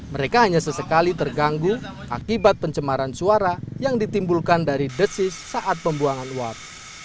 mereka hanya sesekali terganggu akibat pencemaran suara yang ditimbulkan dari desis saat pembuangan uap